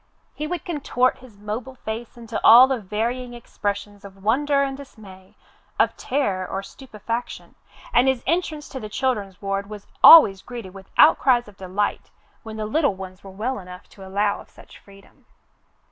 He would contort his mobile face into all the varying expressions of wonder and dismay, of terror or stupefaction, and his entrance to the children's ward was always greeted with outcries of delight, when the little ones were well enough to allow of such freedom.